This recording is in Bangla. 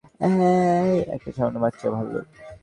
এটা মানুষদের তৈরি ফাঁদ, আর তুমি একটা সামান্য বাচ্চা ভালুক।